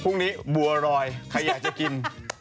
พรุ่งนี้บัวรอยใครอยากจะกิน